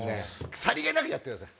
さりげなくやってください。